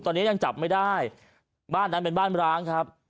ตอนนี้ยังจับไม่ได้บ้านนั้นเป็นบ้านร้างครับ